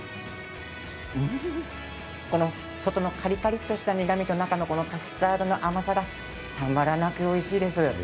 外のカリカリとした苦みとカスタードの甘さがたまらなくおいしいです。